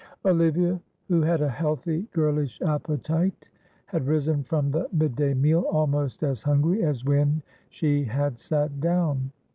Olivia, who had a healthy girlish appetite, had risen from the midday meal almost as hungry as when she had sat down.